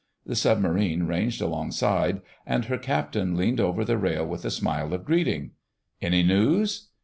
The Submarine ranged alongside and her Captain leaned over the rail with a smile of greeting. "Any news?"